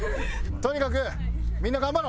とにかくみんな頑張ろう！